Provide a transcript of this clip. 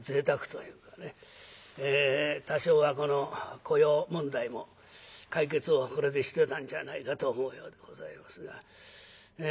多少はこの雇用問題も解決をこれでしてたんじゃないかと思うようでございますが。